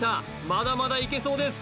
まだまだいけそうです